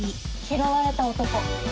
「拾われた男」。